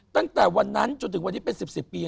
ตั้งแต่วันนั้นจนถึงวันนี้เป็น๑๐ปี